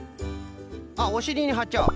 あっおしりにはっちゃう。